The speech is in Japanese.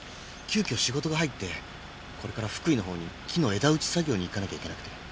急きょ仕事が入ってこれから福井のほうに木の枝打ち作業に行かなきゃいけなくて。